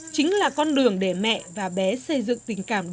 chính là con đường để mẹ và bé xây dựng tình cảm